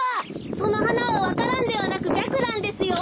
そのはなはわか蘭ではなくビャクランですよ。